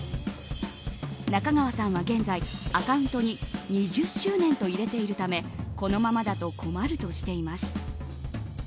中川さんは現在、アカウントに２０周年と入れているためこのままだと困るとしています。